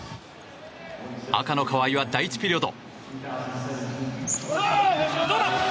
赤の川井は第１ピリオド。